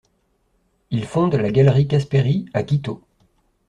Il fonde la galerie Caspery à Quito.